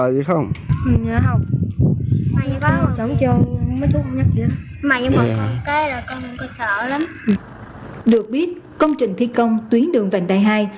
được biết công trình thi công tuyến đường vành đai hai